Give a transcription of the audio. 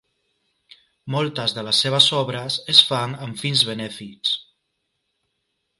Moltes de les seves obres es fan amb fins benèfics.